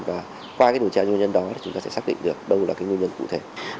và qua cái điều tra nguyên nhân đó thì chúng ta sẽ xác định được đâu là cái nguyên nhân cụ thể